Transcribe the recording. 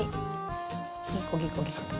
ギコギコギコと。